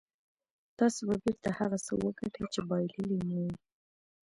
تاسې به بېرته هغه څه وګټئ چې بايللي مو وو.